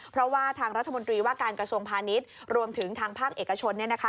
เพราะว่าทางรัฐมนตรีว่าการกระทรวงพาณิชย์รวมถึงทางภาคเอกชนเนี่ยนะคะ